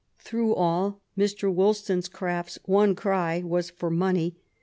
'' Through all, Mr. Woll stonecraft's one cry was for money.